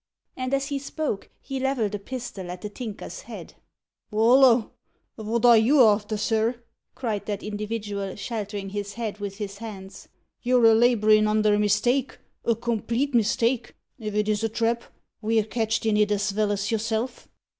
And as he spoke, he levelled a pistol at the Tinker's head. "Holloa! wot are you arter, sir?" cried that individual, sheltering his head with his hands. "You're a labourin' under a mistake a complete mistake. If it is a trap, ve're catched in it as vell as yourself."